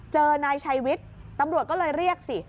เจอนายชัยวิทย์ตำรวจก็เลยเรียกสิ